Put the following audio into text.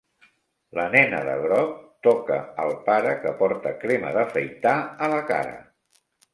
La nena de groc toca el pare que porta crema d'afaitar a la cara.